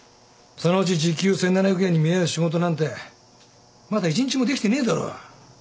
そのうち時給１，７００円に見合う仕事なんてまだ１日もできてねえだろ。